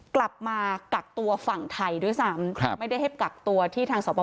กลับมากักตัวฝั่งไทยด้วยซ้ำครับไม่ได้ให้กักตัวที่ทางสว